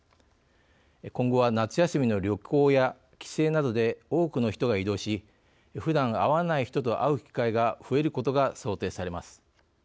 今後は夏休みの旅行や帰省などで多くの人が移動しふだん会わない人と会う機会が増えることが想定されます。